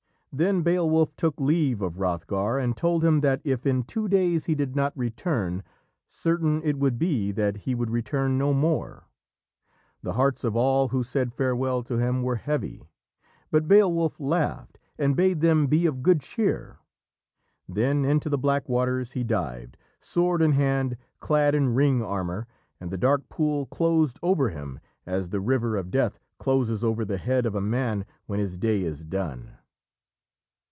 Then Beowulf took leave of Hrothgar and told him that if in two days he did not return, certain it would be that he would return no more. The hearts of all who said farewell to him were heavy, but Beowulf laughed, and bade them be of good cheer. Then into the black waters he dived, sword in hand, clad in ring armour, and the dark pool closed over him as the river of Death closes over the head of a man when his day is done.